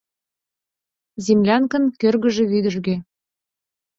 Землянкын кӧргыжӧ вӱдыжгӧ.